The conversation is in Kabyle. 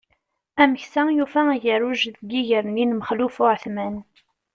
Ameksa yufa agerruj deg iger-nni n Maxluf Uεetman.